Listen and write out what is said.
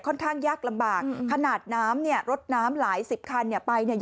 ข้างยากลำบากขนาดน้ำเนี่ยรถน้ำหลายสิบคันเนี่ยไปเนี่ย